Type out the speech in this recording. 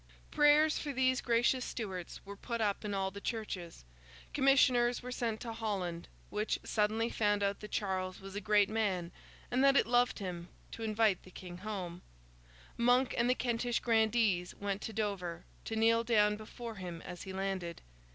Prayers for these gracious Stuarts were put up in all the churches; commissioners were sent to Holland (which suddenly found out that Charles was a great man, and that it loved him) to invite the King home; Monk and the Kentish grandees went to Dover, to kneel down before him as he landed.